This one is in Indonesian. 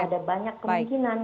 ada banyak kemungkinan